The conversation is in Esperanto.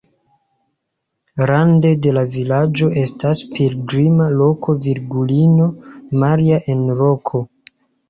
Rande de la vilaĝo estas pilgrima loko virgulino Maria en roko.